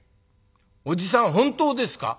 『おじさん本当ですか？